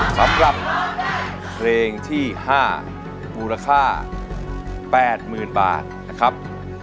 สำหรับเพลงที่ห้ามูลค่าแปดหมื่นบาทนะครับ